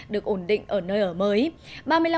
được ổn định ở nơi ở mới